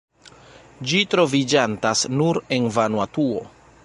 Ĝi troviĝantas nur en Vanuatuo.